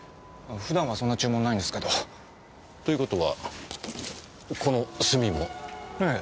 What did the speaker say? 普段はそんな注文ないんですけど。という事はこの炭も？ええ。